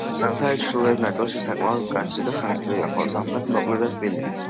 ზამთარი ჩრდილოეთ ნაწილში საკმაოდ მკაცრი და ხანგრძლივია, ხოლო სამხრეთში მოკლე და რბილი.